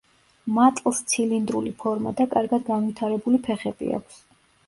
მატლს ცილინდრული ფორმა და კარგად განვითარებული ფეხები აქვს.